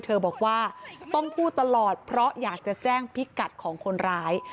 บอกว่าต้องพูดตลอดเพราะอยากจะแจ้งพิกัดของคนร้าย